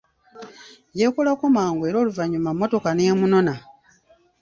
Yeekolako mangu, era oluvanyuma mmotoka n'emunona.